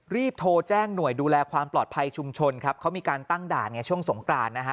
รีบโทรแจ้งหน่วยดูแลความปลอดภัยชุมชนครับเขามีการตั้งด่านไงช่วงสงกรานนะฮะ